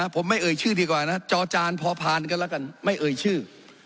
ผมไม่เอ่ยชื่อดีกว่านะจอจานพอพานกันแล้วกันไม่เอ่ยชื่อ